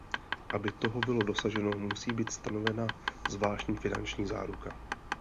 Aby toho bylo dosaženo, musí být stanovena zvláštní finanční záruka.